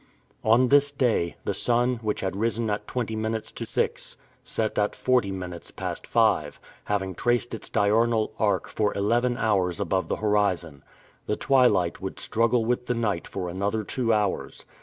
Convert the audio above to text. On this day, the sun which had risen at twenty minutes to six, set at forty minutes past five, having traced its diurnal arc for eleven hours above the horizon. The twilight would struggle with the night for another two hours.